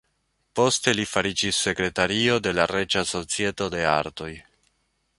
Poste li fariĝis sekretario de la Reĝa Societo de Artoj.